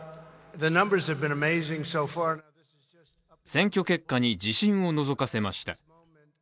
選挙結果に自信をのぞかせました。